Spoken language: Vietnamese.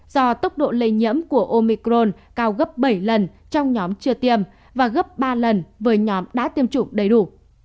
do tốc độ lây nhiễm của omicron cao gấp bảy lần trong nhóm chưa tiêm và gấp ba lần với nhóm đã tiêm chủng đầy đủ